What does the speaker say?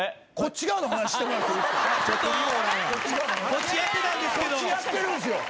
こっちやってたんですけど！